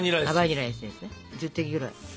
１０滴ぐらい。